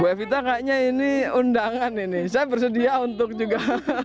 bu evita kayaknya ini undangan ini saya bersedia untuk juga